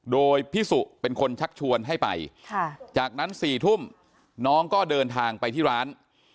โดยพี่สุเป็นคนชักชวนให้ไปจากนั้น๔ทุ่มน้องก็เดินทางไปที่ร้าน